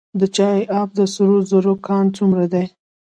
د چاه اب د سرو زرو کان څومره دی؟